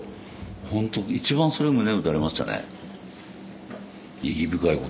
本当一番それ胸打たれましたね。